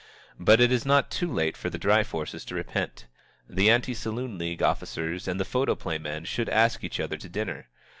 But it is not too late for the dry forces to repent. The Anti Saloon League officers and the photoplay men should ask each other to dinner.